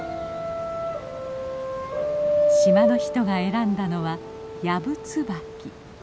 島の人が選んだのはヤブツバキ。